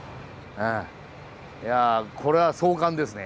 いやこれは壮観ですね。